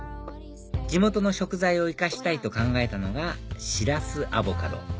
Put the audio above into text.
地元の食材を生かしたいと考えたのが「しらすアボカド」